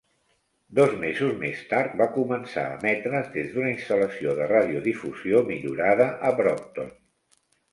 Dos mesos més tard, va començar a emetre's des d'una instal·lació de radiodifusió millorada a Brockton.